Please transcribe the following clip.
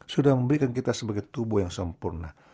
sudah memberikan kita sebagai tubuh yang sempurna